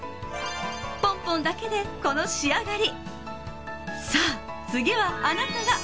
ポンポンだけでこの仕上がり。